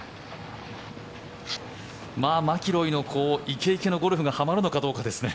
マキロイのイケイケのゴルフがはまるのかどうかですね。